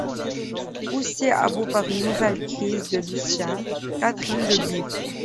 Poussée à bout par une nouvelle crise de Lucien, Catherine le gifle.